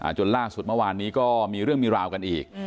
จนล่าสุดเมื่อวานนี้ก็มีเรื่องมีราวกันอีก